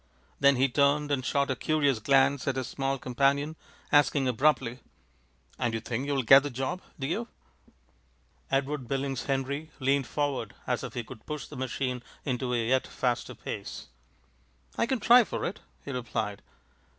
Then he turned and shot a curious glance at his small companion, asking abruptly: "And you think you'll get the job, do you?" Edward Billings Henry leaned forward as if he could push the machine into a yet faster pace. "I can try for it," he replied.